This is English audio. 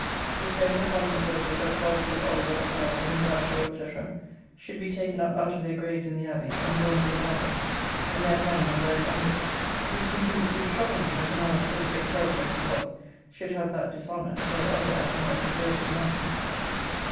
This day the Parliament voted that the bodies of Oliver, Ireton, Bradshaw, &c., should be taken up out of their graves in the Abbey, and drawn to the gallows, and there hanged and buried under it: which (methinks) do trouble me that a man of so great courage as he was, should have that dishonour, though otherwise he might deserve it enough.